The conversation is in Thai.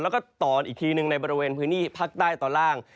แล้วก็ตอนอีกทีหนึ่งในบริเวณพื้นที่ภาคใต้ตอนล่าง